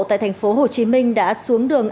tại tp hcm đã xuống đường